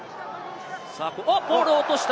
ボール落とした。